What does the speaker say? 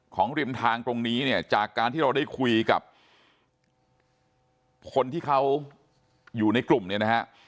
ริมทางตรงนี้เนี่ยจากการที่เราได้คุยกับคนที่เขาอยู่ในกลุ่มเนี่ยนะฮะ